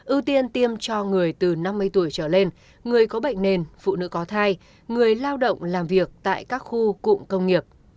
ưu tiên tiêm cho người từ năm mươi tuổi trở lên người có bệnh nền phụ nữ có thai người lao động làm việc tại các khu cụm công nghiệp